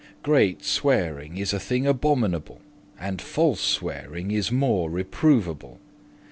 Great swearing is a thing abominable, And false swearing is more reprovable.